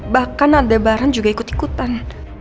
bahkan ada barang juga ikut ikutan